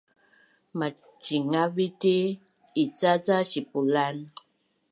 Macingavit dii i’ica ca sipulan?